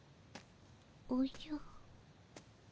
おじゃ。